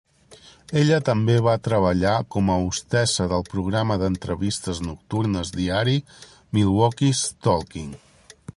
Ella també va treballar com a hostessa del programa d'entrevistes nocturnes diari "Milwaukee's Talking".